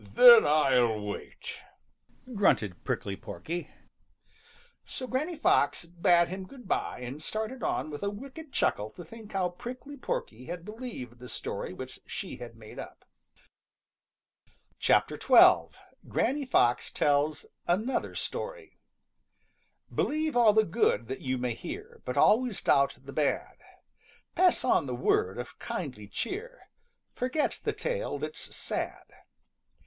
"Then I'll wait," grunted Prickly Porky. So Granny Fox bade him good by and started on with a wicked chuckle to think how Prickly Porky had believed the story which she had made up. XII. GRANNY FOX TELLS ANOTHER STORY Believe all the good that you may hear, But always doubt the bad. Pass on the word of kindly cheer; Forget the tale that's sad.